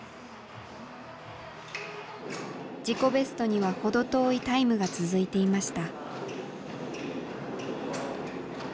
自己ベストには程遠いタイムが続いていました。